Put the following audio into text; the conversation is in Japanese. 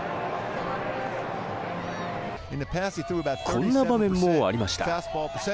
こんな場面もありました。